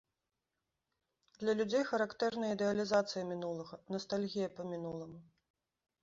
Для людзей характэрна ідэалізацыя мінулага, настальгія па мінуламу.